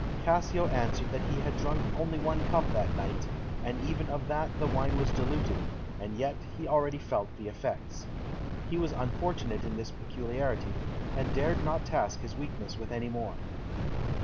Cassio answered that he had drunk only one cup that night, and even of that the wine was diluted, and yet he already felt the effects. He was unfortunate in this peculiarity, and dared not task his weakness with any more.